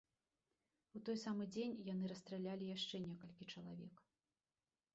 У той самы дзень яны расстралялі яшчэ некалькі чалавек.